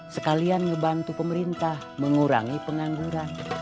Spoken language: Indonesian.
sekalian ngebantu pemerintah mengurangi pengangguran